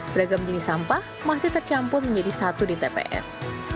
beragam jenis sampah masih tercampur menjadi satu di tps